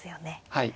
はい。